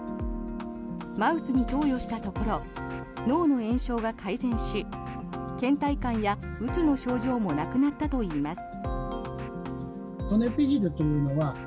マウスに投与したところ脳の炎症が改善しけん怠感やうつの症状もなくなったといいます。